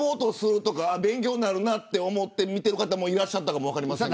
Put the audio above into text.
勉強になるなって思って見ている方もいらっしゃったかもしれません。